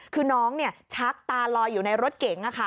คือน้องชักตาลอยอยู่ในรถเก๋ง